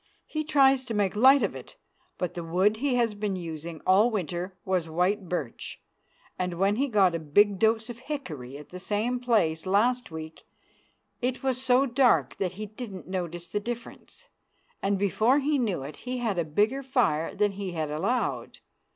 He tries to make light of it, but the wood he has been using all winter was white birch, and when he got a big dose of hickory at the same place last week it was so dark that he didn't notice the difference, and before he knew it he had a bigger fire than he had allowed.